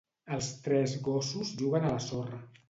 Els tres gossos juguen a la sorra.